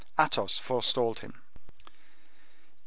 Athos forestalled him. "If M.